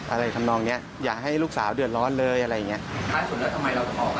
อะไรคำนองนี้อย่าให้ลูกสาวเดือดร้อนเลยอะไรอย่างนี้